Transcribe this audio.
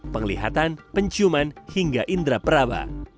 penglihatan penciuman hingga indera peraba